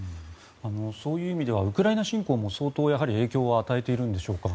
そういう意味ではウクライナ侵攻も相当、影響を与えているんでしょうか。